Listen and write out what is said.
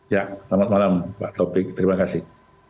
ya selamat malam pak topik terima kasih